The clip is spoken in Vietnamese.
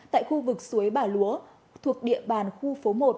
tại khu vực suối bà lúa thuộc địa bàn khu phố một